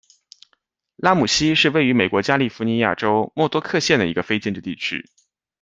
拉姆西是位于美国加利福尼亚州莫多克县的一个非建制地区。